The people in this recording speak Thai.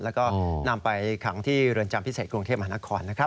แล้วก็นำไปขังที่เรือนจำพิเศษกรุงเทพมหานครนะครับ